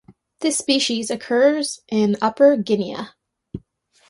This species occurs in upper Guinea.